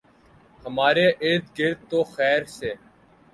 ہمارے اردگرد تو خیر سے